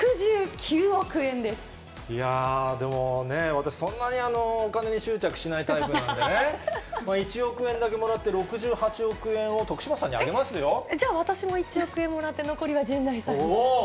いやー、でもね、私、そんなにお金に執着しないタイプなんでね、１億円だけもらって、じゃあ私も１億円もらって、残りは陣内さんに。